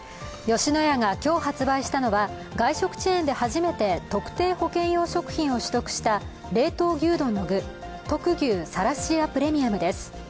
吉野家が今日発売したのは外食チェーンで初めて特定保健用食品を取得した冷凍牛丼の具、トク牛サラシアプレミアムです。